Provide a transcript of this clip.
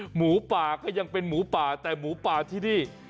หมูป่าก็ยังเป็นหมูป่าแต่หมูป่าที่นี่